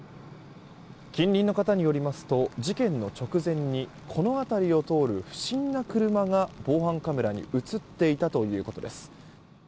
近隣の方によりますと事件の直前にこの辺りを通る不審な車が防犯カメラに映っていたということです。